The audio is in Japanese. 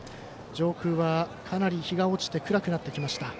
上空は、かなり日が落ちて暗くなってきました。